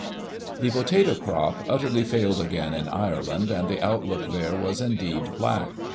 The potato crop utterly failed again in Ireland, and the outlook there was indeed black.